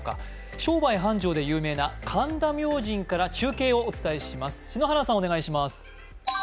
商売繁盛で有名な神田明神から中継をお伝えします。